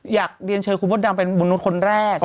อยากเรียนเชิญคุณมดดำเป็นบุญนุษย์คนแรก